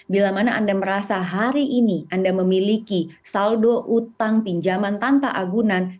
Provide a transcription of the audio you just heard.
bila mana anda merasa hari ini anda memiliki saldo utang pinjaman tanpa agunan